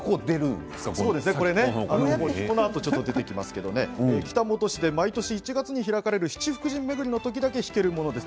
このあと出てきますが北本市で毎年１月に開かれる七福神めぐりの時だけ引けるものです。